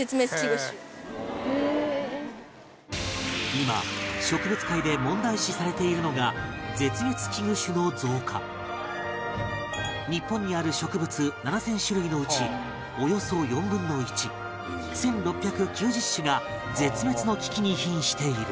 今植物界で問題視されているのが日本にある植物７０００種類のうちおよそ４分の１１６９０種が絶滅の危機に瀕している